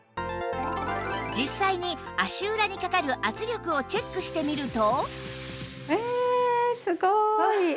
実際に足裏にかかる圧力をチェックしてみるとえすごい！